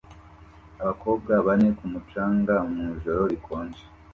Abakobwa bane ku mucanga mu ijoro rikonje